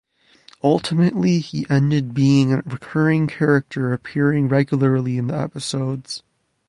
Ultimately he ended being a recurring character, appearing regularly in the episodes.